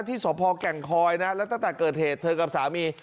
ที่สพแก่งคอยนะแล้วตั้งแต่เกิดเหตุเธอกับสามี